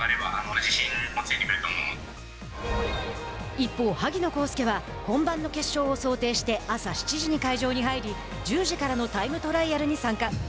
一方萩野公介は本番の決勝を想定して朝７時に会場に入り１０時からのタイムトライアルに参加。